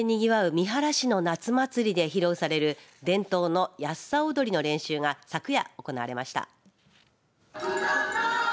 三原市の夏祭りで披露される伝統のやっさ踊りの練習が昨夜行われました。